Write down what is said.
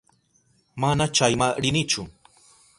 Mana chayma rinichu.